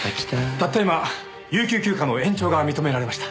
たった今有給休暇の延長が認められました。